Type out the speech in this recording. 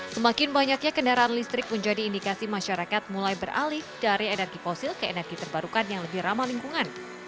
semakin banyaknya kendaraan listrik menjadi indikasi masyarakat mulai beralih dari energi fosil ke energi terbarukan yang lebih ramah lingkungan